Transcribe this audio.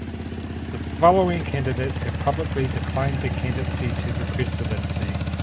The following candidates have publicly declined their candidacy to the presidency.